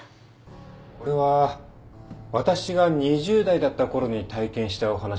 これは私が２０代だったころに体験したお話です。